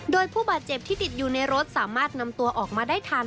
โดยผู้บาดเจ็บที่ติดอยู่ในรถสามารถนำตัวออกมาได้ทัน